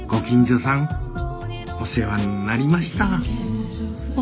お世話になりました。